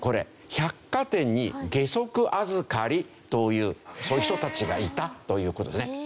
百貨店に下足預かりというそういう人たちがいたという事ですね。